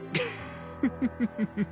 フフフフフ。